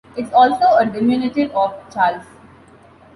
It's also a diminutive of "Charles".